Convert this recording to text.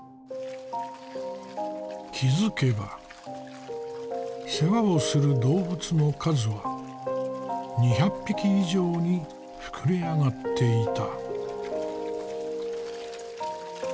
気付けば世話をする動物の数は２００匹以上に膨れ上がっていた。